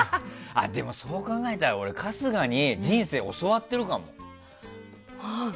でもそう考えたら春日に、人生教わってるかも。